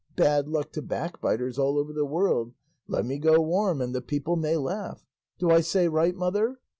Bad luck to backbiters all over the world; 'let me go warm and the people may laugh.' Do I say right, mother?"